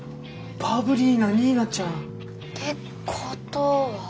バブリーなニーナちゃん。ってことは。